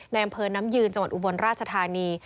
อำเภอน้ำยืนจังหวัดอุบลราชธานี